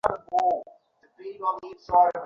বেলা পড়িয়া আসিল।